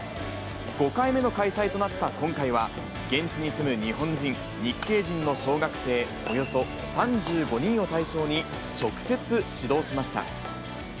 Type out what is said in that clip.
５回目の開催となった今回は、現地に住む日本人、日系人の小学生およそ３５人を対象に、直接指導しました。